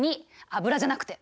油じゃなくて。